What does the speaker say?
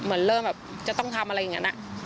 เหมือนเริ่มแบบจะต้องทำอะไรอย่างนั้น